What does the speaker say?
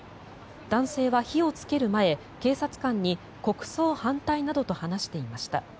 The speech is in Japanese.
男性は火をつける前警察官に国葬反対などと話していました。